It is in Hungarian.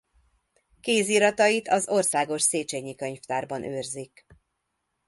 Kéziratait az Országos Széchényi Könyvtárban őrzik.